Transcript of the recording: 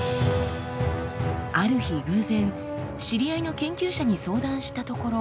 ある日偶然知り合いの研究者に相談したところ